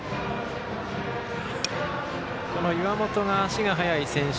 この岩本が足が速い選手。